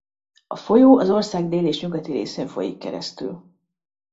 A folyó az ország déli és nyugati részén folyik keresztül.